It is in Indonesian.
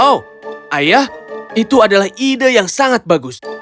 oh ayah itu adalah ide yang sangat bagus